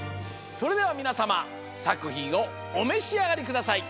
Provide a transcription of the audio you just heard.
それではみなさまさくひんをおめしあがりください！